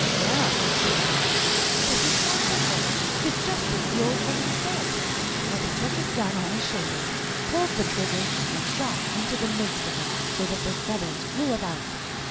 'Well,' said the Hunter, 'this is wonderful! It is just as the old woman said'; and he took his gun on his shoulder, pulled the trigger, and shot into the midst of them, so that their feathers flew about.